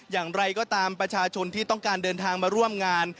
อย่างไรก็ตามประชาชนที่ต้องการเดินทางมาร่วมงาน